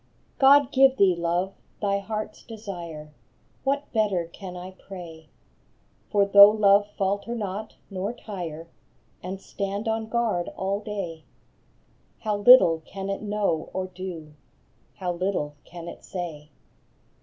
fOD give thee, love, thy heart s desire I What better can I pray ? For though love falter not, nor tire, And stand on guard all day, How little can it know or do, How little can it say